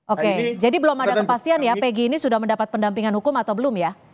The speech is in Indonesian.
oke jadi belum ada kepastian ya pegi ini sudah mendapat pendampingan hukum atau belum ya